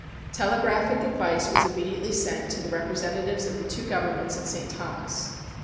Telegraphic advice was immediately sent to representatives of the two Governments at St. Thomas.